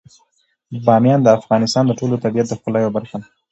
بامیان د افغانستان د ټول طبیعت د ښکلا یوه برخه ده.